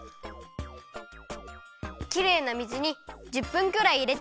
きれいな水に１０分くらいいれておくよ。